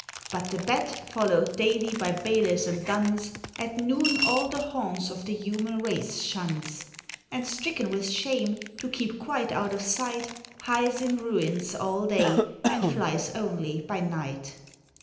But the Bat, followed daily by bailiffs and duns, At noon all the haunts of the human race shuns; And, stricken with shame, to keep quite out of sight, Hides in ruins all day, and flies only by night.